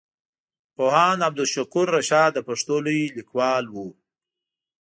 پوهاند عبدالشکور رشاد د پښتو لوی ليکوال وو.